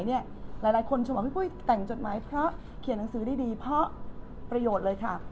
หลายคนชมบอกพี่ปุ้ยแต่งจดหมายเพราะเขียนหนังสือได้ดีเพราะประโยชน์เลยค่ะ